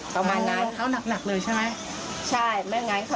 แต่ว่าเขาไม่เห็นนะ